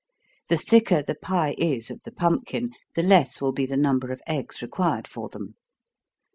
The thicker the pie is of the pumpkin, the less will be the number of eggs required for them.